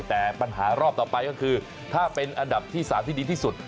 แต่ปัญหารอบต่อไปก็คือถ้าเป็นอันดับที่๓ที่ดีที่สุด